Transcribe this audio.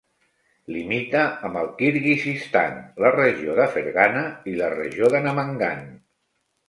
Limita amb el Kirguizistan, la regió de Fergana i la regió de Namangan.